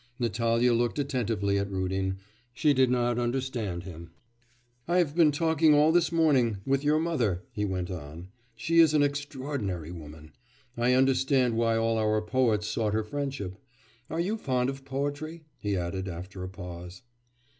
Natalya looked attentively at Rudin; she did not understand him. 'I have been talking all this morning with your mother,' he went on; 'she is an extraordinary woman. I understand why all our poets sought her friendship. Are you fond of poetry?' he added, after a pause.